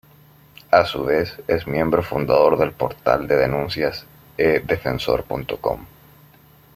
A su vez es miembro fundador del portal de denuncias "e-defensor.com".